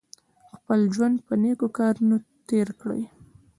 خپل ژوند په نېکو کارونو تېر کړئ.